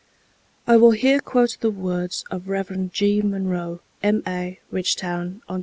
I will here quote the words of Rev. G. Munro, M.A., Ridgetown, Ont.